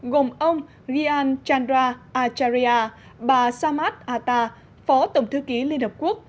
gồm ông rian chandra acharya và samad atta phó tổng thư ký liên hợp quốc